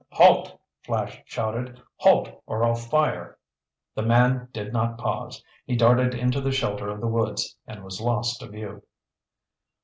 "Halt!" Flash shouted. "Halt or I'll fire!" The man did not pause. He darted into the shelter of the woods and was lost to view.